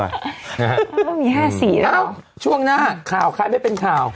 ไม่มีแห้สีหรอครับช่วงหน้าข่าวคล้ายไม่เป็นข่าว